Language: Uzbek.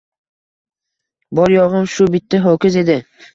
Bori-yo‘g‘im shu bitta ho‘kiz edi